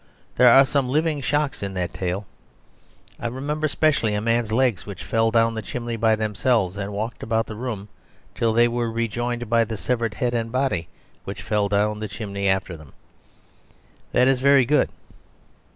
There are some living shocks in that tale. I remember specially a man's legs which fell down the chimney by themselves and walked about the room, until they were rejoined by the severed head and body which fell down the chimney after them. That is very good.